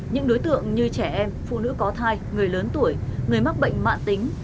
những đối tượng như trẻ em phụ nữ có thai người lớn tuổi người mắc bệnh mạng tính